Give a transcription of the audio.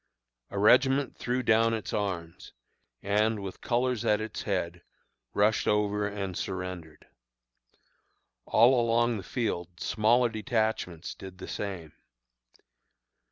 A regiment threw down its arms, and, with colors at its head, rushed over and surrendered. All along the field smaller detachments did the same.